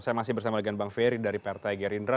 saya masih bersama dengan bank wery dari partai gerindra